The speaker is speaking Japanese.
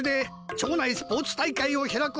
町内スポーツ大会じゃと？